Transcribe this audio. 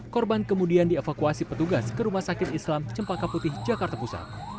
korban kemudian dievakuasi petugas ke rumah sakit islam cempaka putih jakarta pusat